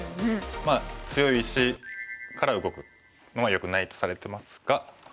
まあ強い石から動くのはよくないとされてますが。